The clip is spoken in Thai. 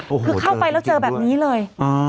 โอ้โหเดินกินด้วยคือเข้าไปแล้วเจอแบบนี้เลย